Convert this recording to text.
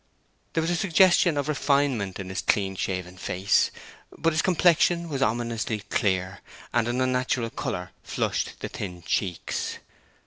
There was a suggestion of refinement in his clean shaven face, but his complexion was ominously clear, and an unnatural colour flushed the think cheeks.